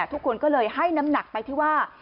ทุกคนก็เลยให้น้ำหนักไปที่ว่า